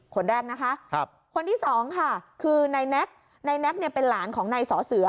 คนแรกนะคะคนที่สองค่ะคือนายแน็กเนี่ยเป็นหลานของนายสอเสือ